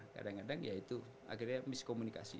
kadang kadang ya itu akhirnya miskomunikasi